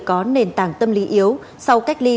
có nền tảng tâm lý yếu sau cách ly